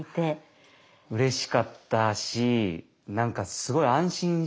うれしかったし何かすごい安心しました。